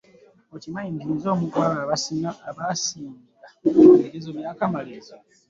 Okimanyi nti nze omu kwabo abaasinga mu bigezo ebyakamalirizo.